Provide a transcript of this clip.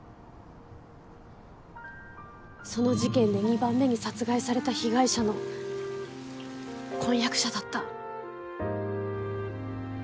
その事件で２番目に殺害された被害者の婚約者だった。